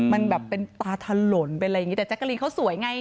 มันแบบเป็นตาถล่นเป็นอะไรอย่างนี้แต่แจ๊กกะลินเขาสวยไง